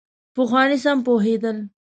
پخواني سم پوهېدلي.